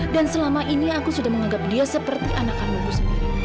dan selama ini aku sudah menganggap dia seperti anak kandungku sendiri